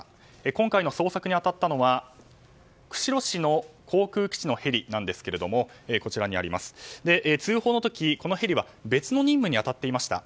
今回の捜索に当たったのは釧路市の航空基地のヘリなんですが通報の時、このヘリは別の任務に当たっていました。